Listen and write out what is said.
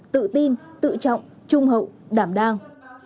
tự tin tự trọng trung hậu đảm đang